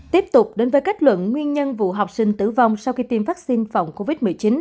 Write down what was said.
tiếp tục đến với kết luận nguyên nhân vụ học sinh tử vong sau khi tiêm vaccine phòng covid một mươi chín